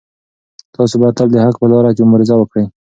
تاسو باید تل د حق په لاره کې مبارزه وکړئ.